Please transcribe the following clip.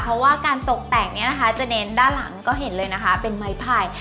เพราะว่าการตกแต่งเนี่ยนะคะจะเน้นด้านหลังก็เห็นเลยนะคะเป็นไม้ไผ่